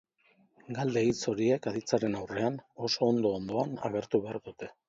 Galde-hitz horiek aditzaren aurrean, eta ondo-ondoan, agertu behar dute.